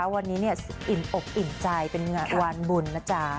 วันนี้เนี่ยอบอินใจเป็นเมื่อวันบุญนะจ๊ะ